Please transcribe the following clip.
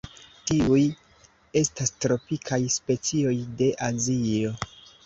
Tiuj estas tropikaj specioj de Azio.